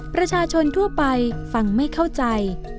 ประชาชนทั่วไปฟังไม่เข้าใจ